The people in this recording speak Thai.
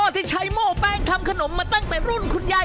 ที่ใช้โม้แป้งทำขนมมาตั้งแต่รุ่นคุณยาย